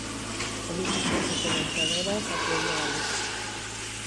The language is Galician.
Políticas diferenciadoras a prol do galego.